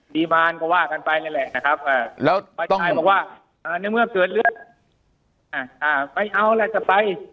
ปีบานก็ว่ากันไปนั่นแหละนะครับ